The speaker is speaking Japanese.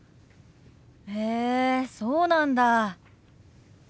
へえそうなんだ。